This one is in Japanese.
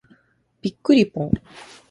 びっくりぽん。